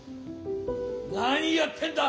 何やってんだ！